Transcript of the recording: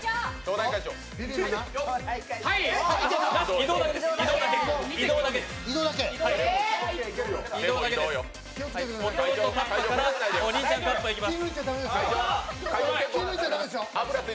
弟カッパからお兄ちゃんカッパへ行きます。